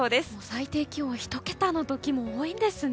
最低気温が１桁の時も多いんですね。